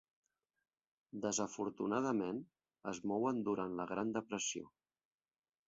Desafortunadament, es mouen durant la Gran Depressió.